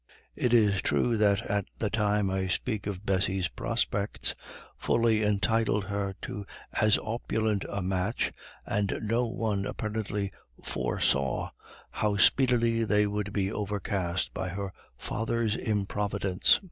It is true that at the time I speak of Bessy's prospects fully entitled her to as opulent a match, and no one apparently foresaw how speedily they would be overcast by her father's improvidence.